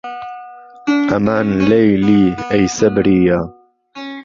ئەمان لێی لی ئەی سەبرییە